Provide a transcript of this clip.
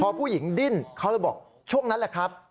พอผู้หญิงดิ้นเขาเลยบอกช่วงนั้นแหละครับ